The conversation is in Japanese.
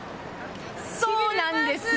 そうなんですよ。